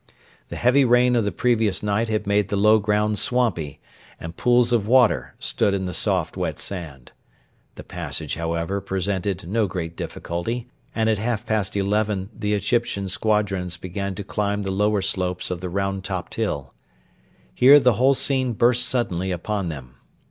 The heavy rain of the previous night had made the low ground swampy, and pools of water stood in the soft, wet sand. The passage, however, presented no great difficulty, and at half past eleven the Egyptian squadrons began to climb the lower slopes of the round topped hill. Here the whole scene burst suddenly upon them.